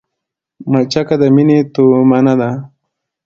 مچکه د مينې تومنه ده